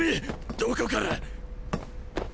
どこから？